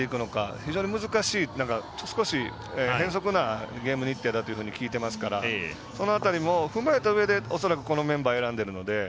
非常に難しい少し変則なゲーム日程だと聞いてますからその辺りも踏まえたうえで恐らくこのメンバー選んでるので。